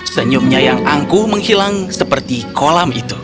senyumnya yang angkuh menghilang seperti kolam itu